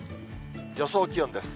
予想気温です。